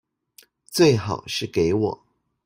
最好是給我